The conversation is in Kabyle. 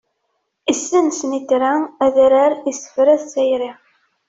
Issen snitra, adrar, isefra d tayri.